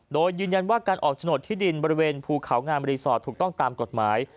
โดยยืนยันว่าการออกโฉนดที่ดินบริเวณภูเขางามรีสอร์ทถูกต้องตามกฎหมาย